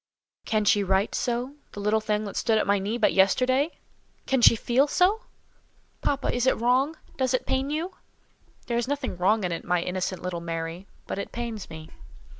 "Can she write so—the little thing that stood at my knee but yesterday? Can she feel so?" "Papa, is it wrong? Does it pain you?" "There is nothing wrong in it, my innocent little Mary; but it pains me."